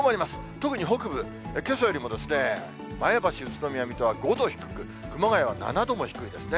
特に北部、けさよりもですね、前橋、宇都宮、水戸は５度低く、熊谷は７度も低いですね。